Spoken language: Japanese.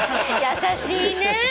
優しいね。